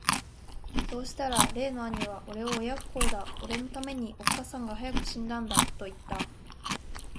さうしたら例の兄がおれを親不孝だ、おれの為めに、おつかさんが早く死んだんだと云つた。